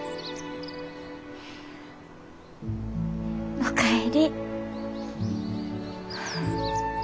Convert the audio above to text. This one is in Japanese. お帰り。